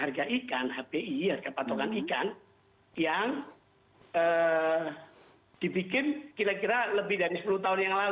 harga ikan hti harga patokan ikan yang dibikin kira kira lebih dari sepuluh tahun yang lalu